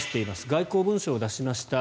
外交文書を出しました。